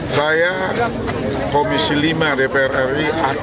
saya komisi lima dpr ri